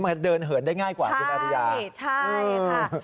มันเดินเหินได้ง่ายกว่าคุณอริยาใช่ใช่ค่ะ